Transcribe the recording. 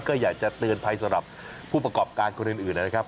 ก็อยากจะเตือนภัยสำหรับผู้ประกอบการคนอื่นนะครับ